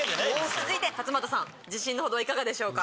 続いて勝俣さん自信の程はいかがでしょうか？